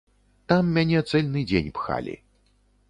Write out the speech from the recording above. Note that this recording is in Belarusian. Там мяне цэльны дзень пхалі.